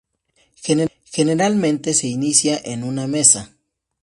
Generalmente se inicia en una mesa.